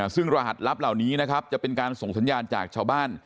ซึ่งรหัสลับเหล่านี้นะครับจะเป็นการส่งสัญญาณจากชาวบ้าน